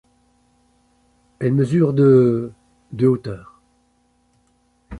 Elle mesure de de hauteur.